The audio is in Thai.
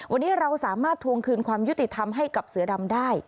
วันนี้เราสามารถทวงคืนความยุติธรรมให้กับเสือดำได้